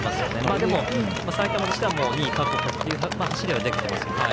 でも、埼玉としては２位確保という走りはできていますね。